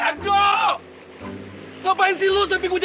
atau pengiten namanya comment out